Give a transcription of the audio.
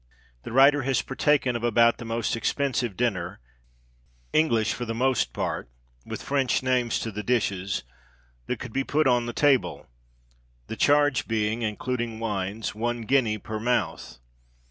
The writer has partaken of about the most expensive dinner English for the most part, with French names to the dishes that could be put on the table, the charge being (including wines) one guinea per mouth.